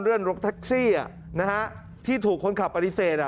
รถแท็กซี่ที่ถูกคนขับปฏิเสธ